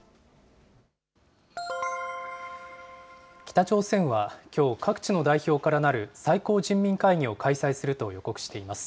北朝鮮はきょう、各地の代表からなる最高人民会議を開催すると予告しています。